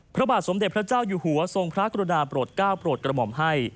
พระบาทสมเด็จพระเจ้าอยู่หัวทรงพระกรุณาโปรดก้าวโปรดกระหม่อมให้